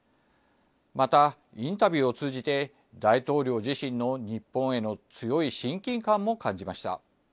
また、インタビューを通じて、大統領自身の日本への強い親近感も感じました。